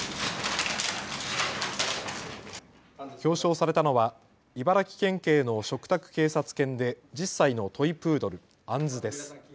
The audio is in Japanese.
表彰されたのは茨城県警の嘱託警察犬で１０歳のトイプードル、アンズです。